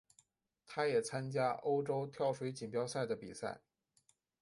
他也参加欧洲跳水锦标赛的比赛。